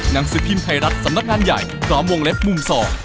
นังสิทธิ์พิมพ์ไทยรัฐสำนักงานใหญ่ตรอมวงเล็บมุมซอร์